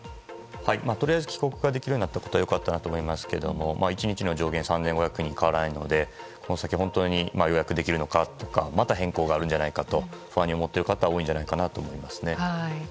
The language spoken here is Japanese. とりあえず帰国ができるようになったのは良かったと思いますが１日の上限３５００人は変わらないので、この先本当に予約できないのかまた変更があるんじゃないかと不安に思ってる方は多いんじゃないかと思います。